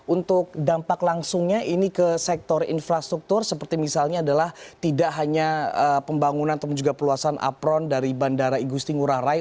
untuk dampak langsungnya ini ke sektor infrastruktur seperti misalnya adalah tidak hanya pembangunan atau juga perluasan apron dari bandara igusti ngurah rai